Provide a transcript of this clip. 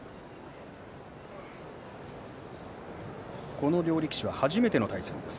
この両力士初めての対戦です。